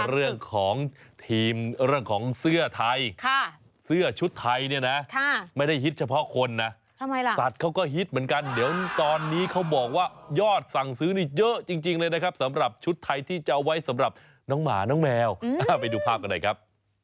เรื่องของทีมเรื่องของเสื้อไทยเสื้อชุดไทยเนี่ยนะไม่ได้ฮิตเฉพาะคนนะสัตว์เขาก็ฮิตเหมือนกันเดี๋ยวตอนนี้เขาบอกว่ายอดสั่งซื้อนี่เยอะจริงเลยนะครับสำหรับชุดไทยที่จะเอาไว้สำหรับน้องหมาน้องแมวไปดูภาพกันหน่อยครับ